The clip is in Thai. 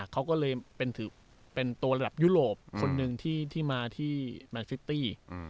เขาก็เลยถือเป็นตัวระดับยุโรปคนหนึ่งที่มาที่แมนฟิตตี้